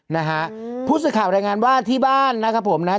นะฮะพูดสิทธิ์ข่าวแรงงานว่าที่บ้านนะครับผมนะฮะ